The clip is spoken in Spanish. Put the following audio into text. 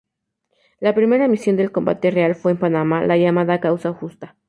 La primera misión de combate real fue en Panamá, la llamada "Causa Justa".